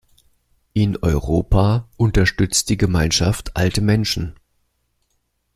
In Europa unterstützt die Gemeinschaft alte Menschen.